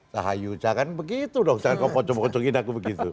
sahayu jangan begitu dong jangan kau pocong pocongin aku begitu